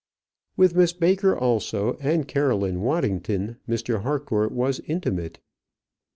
With Miss Baker, also, and Caroline Waddington, Mr. Harcourt was intimate.